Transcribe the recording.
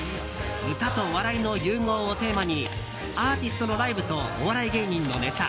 歌と笑いの融合をテーマにアーティストのライブとお笑い芸人のネタ